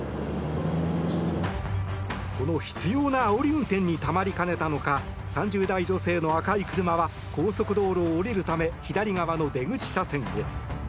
この執ようなあおり運転にたまりかねたのか３０代女性の赤い車は高速道路を降りるため左側の出口車線へ。